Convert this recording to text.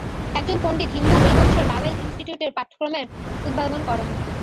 একজন পণ্ডিত হিন্দু এই বৎসর লাওয়েল ইনস্টিট্যুটের পাঠক্রমের উদ্বোধন করেন।